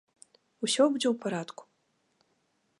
Усё будзе ў парадку.